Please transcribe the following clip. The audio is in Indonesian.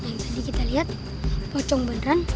nanti kita lihat pocong beneran